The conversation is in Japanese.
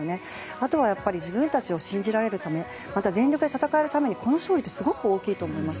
あとは、やっぱり自分たちを信じられるため全力で戦えるためにすごく大きいと思います。